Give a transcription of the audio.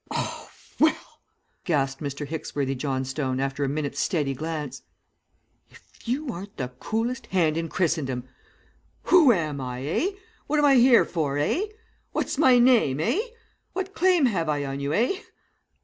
"'Well!' gasped Mr. Hicksworthy Johnstone after a minute's steady glance, 'if you aren't the coolest hand in Christendom. Who am I, eh? What am I here for, eh? What's my name, eh? What claim have I on you, eh?